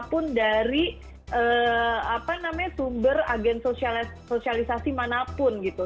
bisa meniru bahasa apapun dari sumber agen sosialisasi manapun gitu